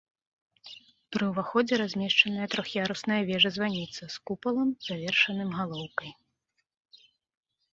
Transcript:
Пры ўваходзе размешчаная трох'ярусная вежа-званіца з купалам, завершаным галоўкай.